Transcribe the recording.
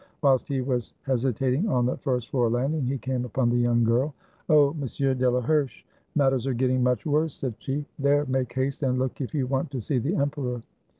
Whilst he was hesitat ing on the first floor landing, he came upon the young girl. " Oh, Monsieur Delaherche, matters are getting much worse," said she. "There, make haste and look if you want to see the emperor."